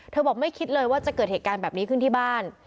บอกไม่คิดเลยว่าจะเกิดเหตุการณ์แบบนี้ขึ้นที่บ้าน